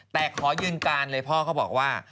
แต่ขอยืนการเลยพ่อเขาบอกว่า